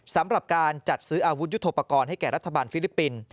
สำหรับการจัดซื้ออาวุธยุทธโปรกรณ์ให้แก่รัฐบาลฟิลิปปินส์